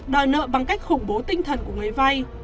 đòi nợ bằng cách khủng bố tinh thần của người vay